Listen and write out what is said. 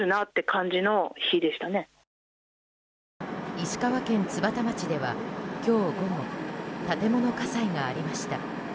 石川県津幡町では今日午後建物火災がありました。